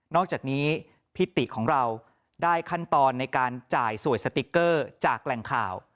อกจากนี้พิติของเราได้ขั้นตอนในการจ่ายสวยสติ๊กเกอร์จากแหล่งข่าว